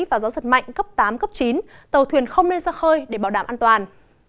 và gió giật mạnh cấp tám cấp chín tàu thuyền không nên ra khơi để bảo đảm an toàn